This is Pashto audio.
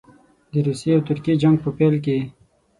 د روسیې او ترکیې جنګ په پیل کې.